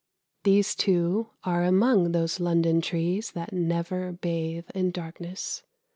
These two are among those London trees that never bathe in darkness.